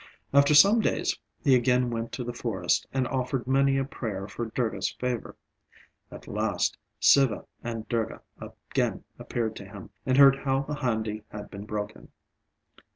After some days he again went to the forest, and offered many a prayer for Durga's favour. At last Siva and Durga again appeared to him, and heard how the handi had been broken.